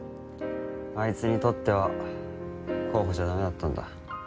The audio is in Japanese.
あいつにとっては候補じゃ駄目だったんだ。